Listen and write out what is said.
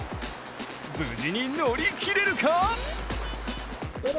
無事に乗り切れるか？